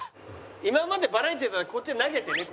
今までバラエティだったらこっちに投げてね